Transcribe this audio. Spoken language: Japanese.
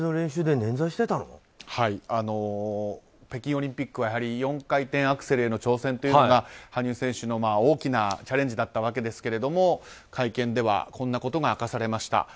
北京オリンピックはやはり４回転アクセルへの挑戦というのが羽生選手の大きなチャレンジだったわけですけど会見ではこんなことが明かされました。